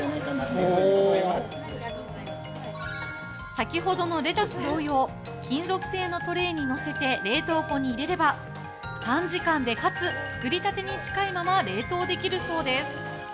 先ほどのレタス同様、金属製のトレーに乗せて冷凍庫に入れれば短時間で、かつ作りたてに近いまま冷凍できるそうです。